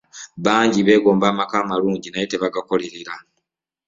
Bangi beegomba amaka amalungi naye tebagakolerera.